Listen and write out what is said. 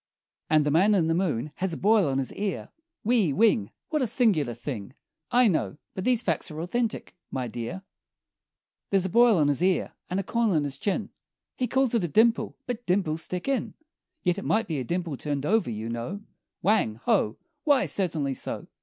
And The Man in the Moon has a boil on his ear Whee! Whing! What a singular thing! I know; but these facts are authentic, my dear, There's a boil on his ear, and a corn on his chin He calls it a dimple, but dimples stick in Yet it might be a dimple turned over, you know; Whang! Ho! Why, certainly so!